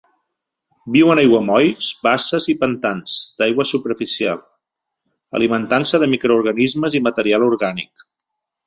Viu en aiguamolls, basses i pantans d'aigua superficial, alimentant-se de microorganismes i material orgànic.